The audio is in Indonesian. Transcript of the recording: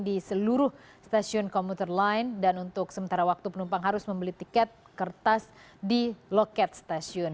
di seluruh stasiun komuter line dan untuk sementara waktu penumpang harus membeli tiket kertas di loket stasiun